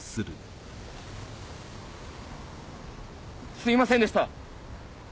すみませんでした！